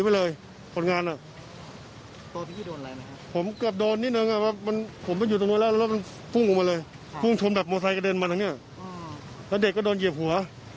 แล้วเด็กก็โดนเหยียบหัว